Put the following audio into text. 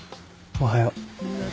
おはよう。